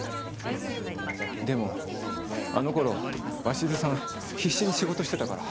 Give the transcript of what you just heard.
でもあの頃鷲津さん必死に仕事してたから。